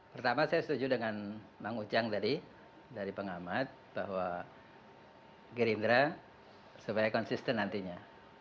pertama saya setuju dengan bang ujang tadi dari pengamat bahwa gerindra supaya konsisten nantinya